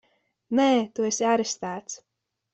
Nē! Tu esi arestēts!